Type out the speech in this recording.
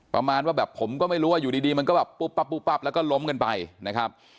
ประมาณว่าแบบผมก็ไม่รู้ว่าอยู่ดีมันก็แบบปุ๊บปั๊บปุ๊บปั๊บแล้วก็ล้มกันไปนะครับ